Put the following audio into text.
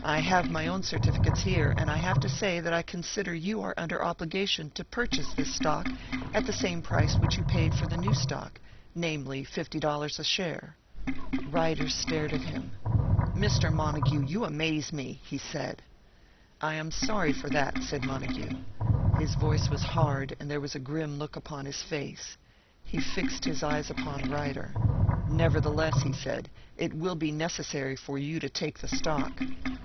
I have my own certificates here; and I have to say that I consider you are under obligation to purchase this stock at the same price which you paid for the new stock; namely, fifty dollars a share." Ryder stared at him. "Mr. Montague, you amaze me!" he said. "I am sorry for that," said Montague. His voice was hard, and there was a grim look upon his face. He fixed his eyes upon Ryder. "Nevertheless," he said, "it will be necessary for you to take the stock."